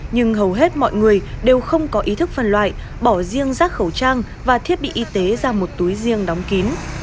nhưng hầu hết mọi người đều không có ý thức phân loại bỏ riêng rác khẩu trang và thiết bị y tế ra một túi riêng đóng kín